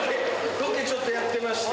ロケちょっとやってまして。